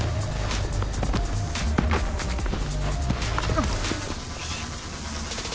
あっ！